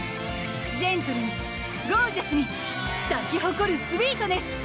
ジェントルにゴージャスに咲き誇るスウィートネス！